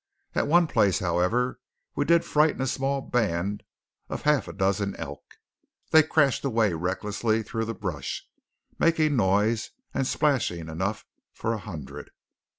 At one place, however, we did frighten a small band of half a dozen elk. They crashed away recklessly through the brush, making noise and splashing enough for a hundred.